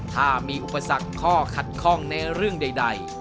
ถ้ามีอุปสรรคข้อขัดข้องในเรื่องใด